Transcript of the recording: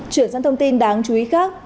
chuyển sang thông tin